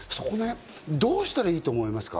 どうしたらいいと思いますか？